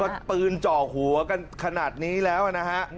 ก็ปืนเจาะหัวกันขนาดนี้แล้วนะฮะ